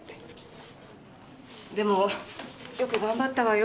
でもよく頑張ったわよ